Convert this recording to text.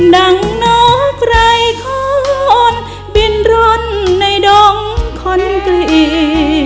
ดังนกไรโคนบินร้นในดงคอนกรี